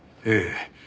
ええ。